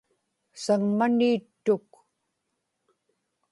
saŋmani ittuk